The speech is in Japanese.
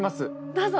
どうぞ。